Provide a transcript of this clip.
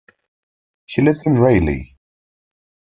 He lives in Rayleigh.